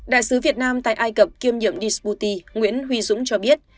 đại sứ việt nam tại ai cập kiêm nhiệm dsputi nguyễn huy dũng cho biết